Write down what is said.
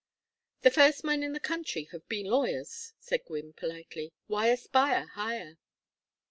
"The first men in the country have been lawyers," said Gwynne, politely. "Why aspire higher?"